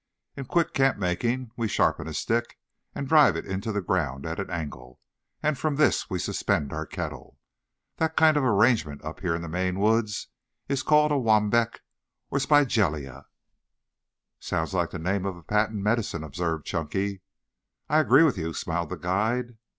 In quick camp making we sharpen a stick and drive it into the ground at an angle, and from this we suspend our kettle. That kind of arrangement up here in the Maine Woods is called a 'wambeck' or 'spygelia.'" "Sounds like the name of a patent medicine," observed Chunky. "I agree with you," smiled the guide.